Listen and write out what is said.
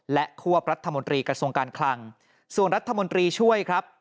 และควบรัฐมนตรีกระทรวงการคลังส่วนรัฐมนตรีช่วยครับ